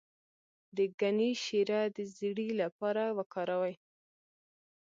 د ګني شیره د زیړي لپاره وکاروئ